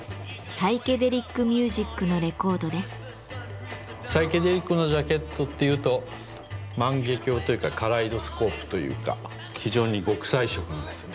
サイケデリックなジャケットっていうと万華鏡というかカレイドスコープというか非常に極彩色のですね